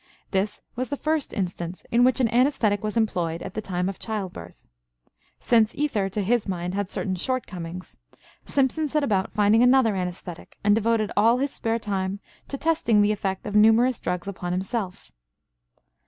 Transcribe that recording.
This was the first instance in which an anesthetic was employed at the time of childbirth. Since ether, to his mind, had certain shortcomings, Simpson set about finding another anesthetic, and devoted all his spare time to testing the effect of numerous drugs upon himself.